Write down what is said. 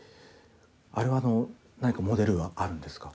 あれは何かモデルはあるんですか？